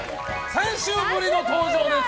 ３週ぶりの登場です！